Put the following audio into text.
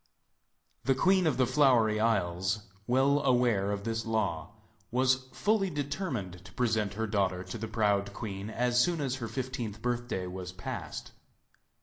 The queen of the Flowery Isles, well aware of this law, was fully determined to present her daughter to the proud queen as soon as her fifteenth birthday was past.